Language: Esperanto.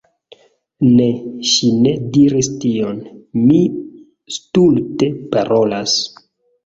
Ne, ŝi ne diris tion, mi stulte parolas.